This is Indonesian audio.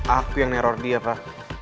aku yang neror dia pak